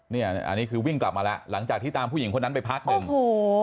เนี่ยอันนี้คือวิ่งกลับมาแล้วหลังจากที่ตามผู้หญิงคนนั้นไปพักหนึ่งโอ้โห